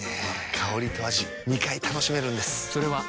香りと味２回楽しめるんです。